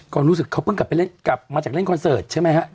ก็รู้สึกเขาเพิ่งกลับมาจากเล่นคอนเซิร์ตใช่ไหมคะ